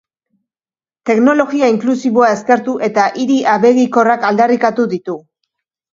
Teknologia inklusiboa eskertu eta hiri abegikorrak aldarrikatu ditu.